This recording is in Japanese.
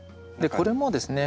これもですね